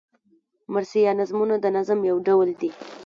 مرثیه نظمونه د نظم یو ډول دﺉ.